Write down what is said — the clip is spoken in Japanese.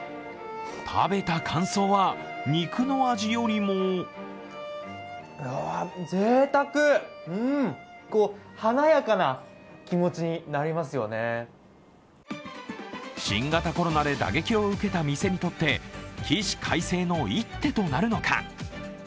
食べた感想は、肉の味よりも新型コロナで打撃を受けた店にとって起死回生の一手となるのか。